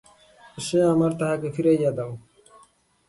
সে আমার, তাহাকে ফিরাইয়া দাও।